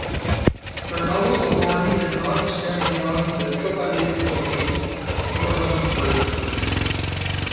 Her nominal authority did not extend beyond the Chobanid domains of northwestern Persia.